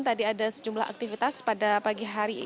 tadi ada sejumlah aktivitas pada pagi hari